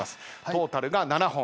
トータルが７本。